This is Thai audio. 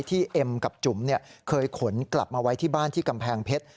เอ็มกับจุ๋มเคยขนกลับมาไว้ที่บ้านที่กำแพงเพชร